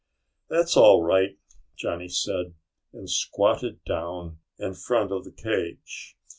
"That's all right," Johnny said, and squatted down in front of the cage.